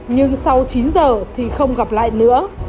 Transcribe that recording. nhưng sau chín giờ thì không gặp lại nữa